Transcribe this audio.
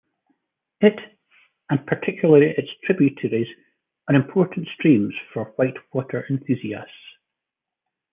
It, and particularly its tributaries, are important streams for whitewater enthusiasts.